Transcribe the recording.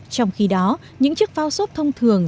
trong khi đó những chiếc phao sốt thông thường